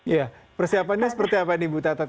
ya persiapannya seperti apa nih bu tatat